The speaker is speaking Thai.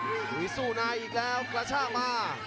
โอ้โหสู้ในอีกแล้วกระชากมา